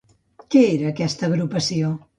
Què era aquesta agrupació?